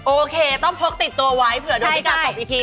โอเคต้องพกติดตัวไว้เผื่อโดนพิกัดตบอีกที